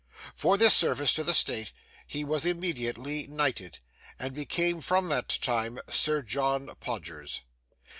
For this service to the state he was immediately knighted, and became from that time Sir John Podgers.